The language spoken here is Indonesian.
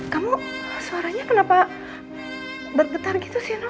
kamu suaranya kenapa bergetar gitu sih